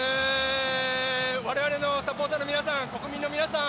我々のサポーターの皆さん国民の皆さん